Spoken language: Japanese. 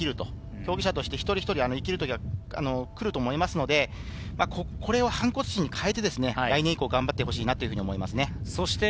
競技者として生きるときがくると思いますので、反骨心に変えて来年以降、頑張ってほしいと思います。